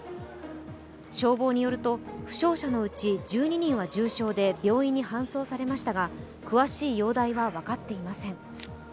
消防によると負傷者のうち１２人は重傷で病院に搬送されましたが詳しい容体は分かっていません。